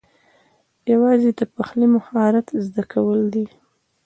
یوازې د پخلي مهارت زده کول دي